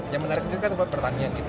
yang menarik itu kan untuk pertanian kita